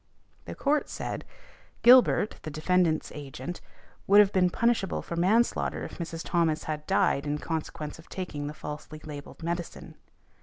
The Court said, "Gilbert, the defendant's agent, would have been punishable for manslaughter if Mrs. Thomas had died in consequence of taking the falsely labelled medicine.